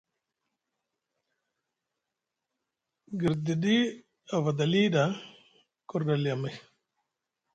Girdiɗi a vada li ɗa, ku rɗa ali amay,